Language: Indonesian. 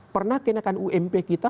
pernah kenakan ump kita